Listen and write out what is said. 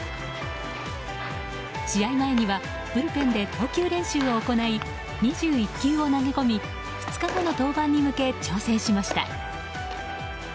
試合前にはブルペンで投球練習を行い２１球を投げ込み２日後の登板に向け調整しました。